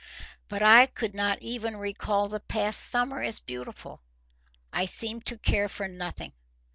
But I could not even recall the past summer as beautiful. I seemed to care for nothing.